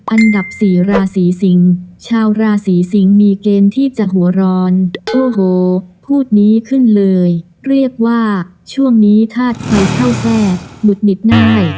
อันดับสี่ราศีสิงชาวราศีสิงศ์มีเกณฑ์ที่จะหัวร้อนโอ้โหพูดนี้ขึ้นเลยเรียกว่าช่วงนี้ถ้าใครเข้าแทรกหงุดหงิดง่าย